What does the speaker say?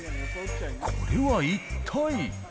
これは一体？